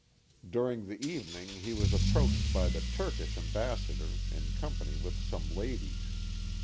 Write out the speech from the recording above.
During the evening he was ap proached by the Turkish ambassador, in company with some ladies.